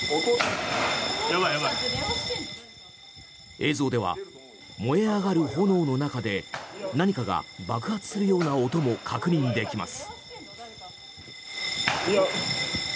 映像では燃え上がる炎の中で何かが爆発するような音も確認できます。